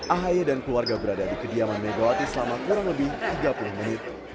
ahy dan keluarga berada di kediaman megawati selama kurang lebih tiga puluh menit